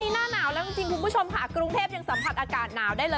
หน้าหนาวแล้วจริงคุณผู้ชมค่ะกรุงเทพยังสัมผัสอากาศหนาวได้เลย